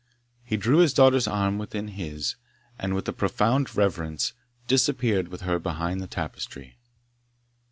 He drew his daughter's arm within his, and with a profound reverence, disappeared with her behind the tapestry.